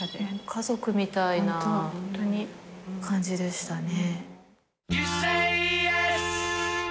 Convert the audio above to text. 家族みたいな感じでしたね。